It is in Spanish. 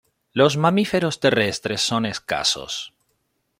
Los mamíferos terrestres son escasos.